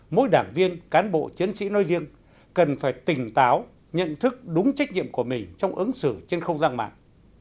mỗi đảng viên cán bộ chiến sĩ nói riêng cần phải tỉnh táo nhận thức đúng trách nhiệm của mình trong ứng xử trên không gian mạng